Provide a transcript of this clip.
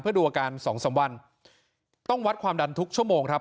เพื่อดูอาการสองสามวันต้องวัดความดันทุกชั่วโมงครับ